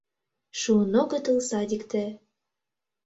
Шуын огытыл садикте: